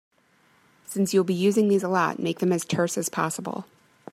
Since you'll be using these a lot, make them as terse as possible.